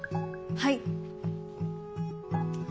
はい。